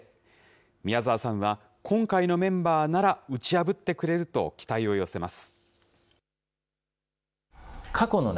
宮澤さんは、今回のメンバーなら打ち破ってくれると期待を寄せます。